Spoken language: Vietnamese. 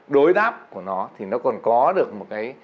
đối đáp của nó thì nó còn có được một cái